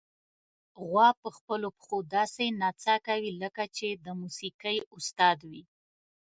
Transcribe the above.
غوا په خپلو پښو داسې نڅا کوي، لکه چې د موسیقۍ استاد وي.